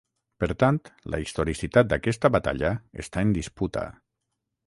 Per tant, la historicitat d'aquesta batalla està en disputa.